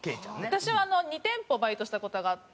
私は２店舗バイトした事があって。